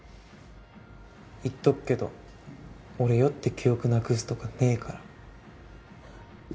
言っとっけど俺酔って記憶なくすとかねぇから。